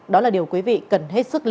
đó là điều quý vị cần